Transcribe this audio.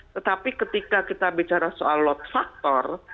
tetapi ketika kita bicara soal load factor